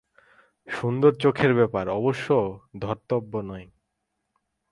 সুন্দর চোখের ব্যাপারটা অবশ্য ধর্তব্য নয়।